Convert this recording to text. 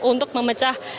untuk memecah kemampuan